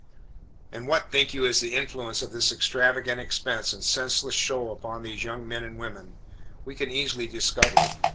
And what, think you, is the influence of this extravagant expense and senseless show upon these same young men and women? We can easily discover.